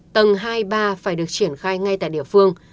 tầng hai ba phải được triển khai ngay tại địa phương